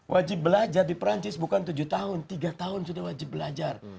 wajib belajar di perancis bukan tujuh tahun tiga tahun sudah wajib belajar